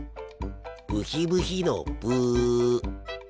ブヒブヒのブ！